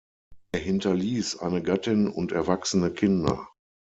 Er hinterließ eine Gattin und erwachsene Kinder.